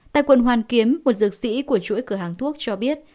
tại quận hoàn kiếm một dược sĩ của chuỗi cửa hàng thuốc cho biết